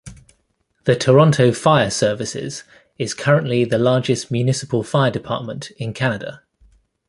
The Toronto Fire Services is currently the largest municipal fire department in Canada.